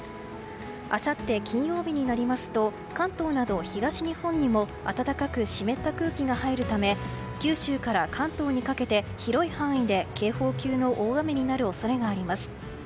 あさって金曜日になりますと関東など、東日本にも暖かく湿った空気が入るため九州から関東にかけて広い範囲で警報級の大雨になる恐れがあります。